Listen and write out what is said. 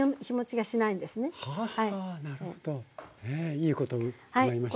いいことを伺いました。